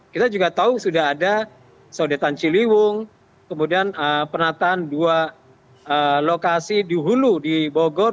kita juga tahu sudah ada sodetan ciliwung kemudian penataan dua lokasi di hulu di bogor